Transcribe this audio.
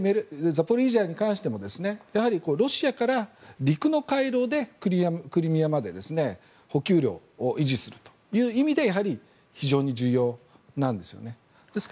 ザポリージャに関してもロシアから陸の回廊でクリミアまで補給路を維持するという意味でやはり、非常に重要なんです。